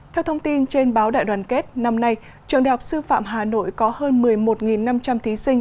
theo thông tin trên báo đại đoàn kết năm nay trường đại học sư phạm hà nội có hơn một mươi một năm trăm linh thí sinh